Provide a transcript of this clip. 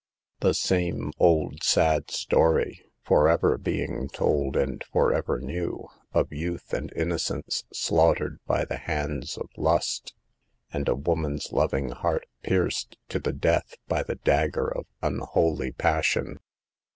The same old, sad story — for, ever being told and yet forever new — of youth and innocence slaughtered by the hands of lust, and a woman's loving heart pierced to the death by the dagger of unholy passion.